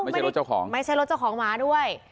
ไม่ใช่รถเจ้าของไม่ใช่รถเจ้าของหมาด้วย